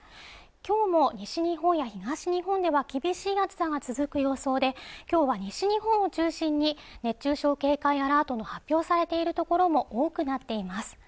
きょうも西日本や東日本では厳しい暑さが続く予想できょうは西日本を中心に熱中症警戒アラートの発表されている所も多くなっています